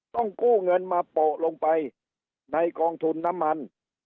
ต้องกู้เงินมาโปะลงไปในกองทุนน้ำมัน